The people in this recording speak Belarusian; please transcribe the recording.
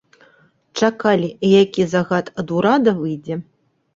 Чакалі, які загад ад урада выйдзе.